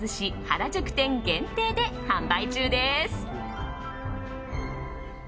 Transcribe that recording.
原宿店限定で販売中です。